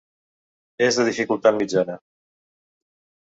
És de dificultat mitjana.